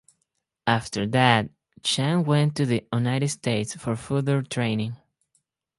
After that, Chang went to the United States for further training.